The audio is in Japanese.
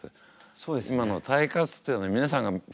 そうですね。